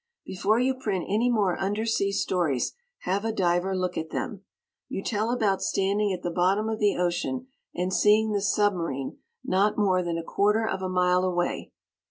Before you print any more undersea stories have a diver look at them. You tell about standing at the bottom of the ocean and seeing the submarine "not more than a quarter of a mile away."